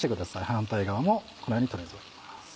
反対側もこのように取り除きます。